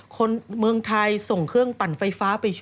คนเมืองไทยส่งเครื่องปั่นไฟฟ้าไปช่วย